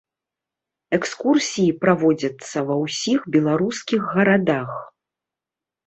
Экскурсіі праводзяцца ва ўсіх беларускіх гарадах.